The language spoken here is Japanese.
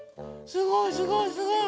すごいすごいすごい。